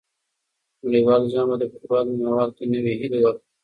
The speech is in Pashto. نړیوال جام به د فوټبال مینه والو ته نوې هیلې ورکړي.